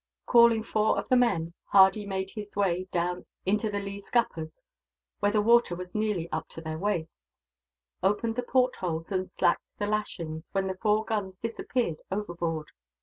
Calling four of the men, Hardy made his way down into the lee scuppers, where the water was nearly up to their waists; opened the portholes and slacked the lashings, when the four guns disappeared overboard.